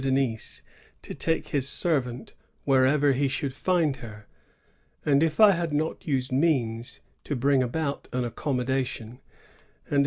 Denis to take his servant wherever he should find her; and if I had not used means to bring about an accommodation, and if M.